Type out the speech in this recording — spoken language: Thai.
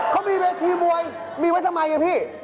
เขามีเวทีมวยมีไว้ทำไมอ่ะพี่